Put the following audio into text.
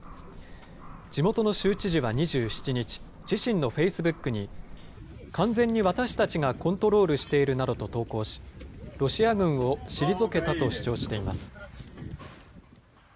地元の州知事は２７日、自身のフェイスブックに、完全に私たちがコントロールしているなどと投稿し、ロシア軍を退けたと主張しています。